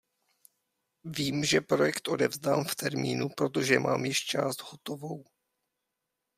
Vím, že projekt odevzdám v termínu, protože mám již část hotovou.